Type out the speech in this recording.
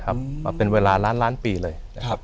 มาเป็นเวลาล้านปีเลย